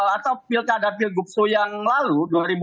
atau pilkada pilkupso yang lalu